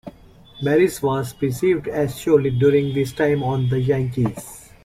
Maris was perceived as surly during his time on the Yankees.